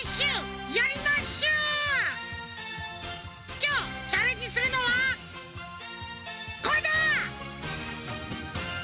きょうチャレンジするのはこれだ！